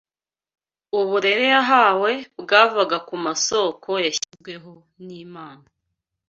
Uburere yahawe bwavaga ku masōko yashyizweho n’Imana